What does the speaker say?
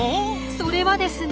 それはですね。